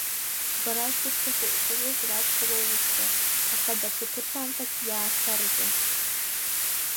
Бара ишыбҭаху иҟалозар акәхап аусқәа, аха даҽа ԥыҭраамҭак иаасараӡа.